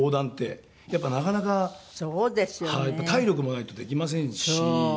体力もないとできませんし。